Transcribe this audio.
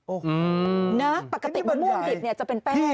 โอ้โฮนี่บรรยายปกติมะม่วงดิบจะเป็นแป้ง